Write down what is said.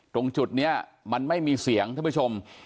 ตรงจุดนี้มันไม่มีเสียงท่านผู้ชม